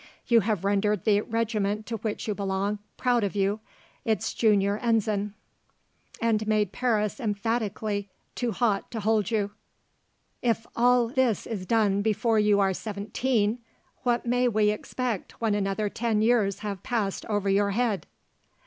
You have rendered the regiment to which you belong proud of you, its junior ensign, and made Paris emphatically too hot to hold you. "If all this is done before you are seventeen, what may we expect when another ten years have passed over your head?"